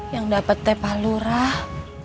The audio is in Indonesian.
yang dapatnya pak lurah